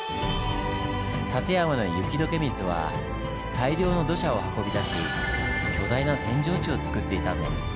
立山の雪解け水は大量の土砂を運び出し巨大な扇状地をつくっていたんです。